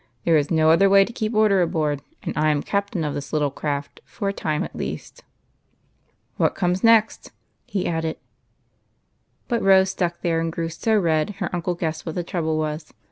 There is no other way to keep order aboard, and I am cajitain of this little craft, for a time at least. What comes next ?" But Rose stuck there, and grew so red, her uucIq guessed what that trouble was.